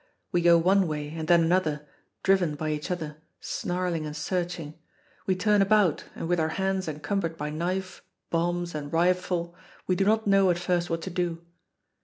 We go one way and then another, driven by each other, snarling and searching. We turn about, and with our hands encumbered by knife, bombs, and rifle, we do not know at first what to do.